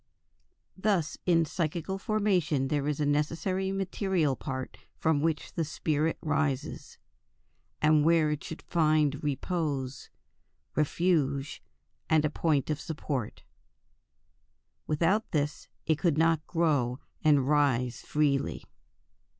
Thus in psychical formation there is a necessary material part from which the spirit rises, and where it should find repose, refuge, and a point of support, Without this it could not grow and rise "freely."